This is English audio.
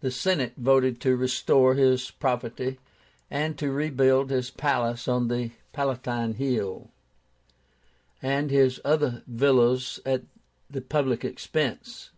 The Senate voted to restore his property, and to rebuild his palace on the Palatine Hill and his other villas at the public expense.